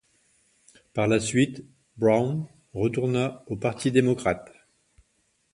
Par la suite, Brown retourna au Parti démocrate.